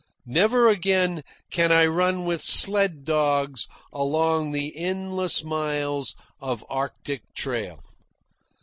Never again can I run with the sled dogs along the endless miles of Arctic trail.